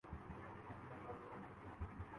اس بیانیے کی بھرپور تائید کے ساتھ میرا تجزیہ یہی ہے